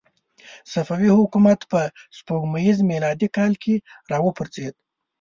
صفوي حکومت په سپوږمیز میلادي کال کې را وپرځېد.